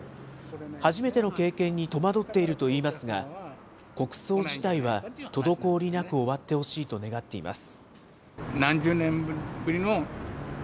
初めての経験に戸惑っているといいますが、国葬自体は滞りなく終わってほしいと願っています。